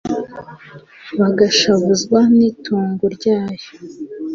bagashavuzwa n'itongo ryayo